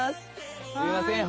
すみません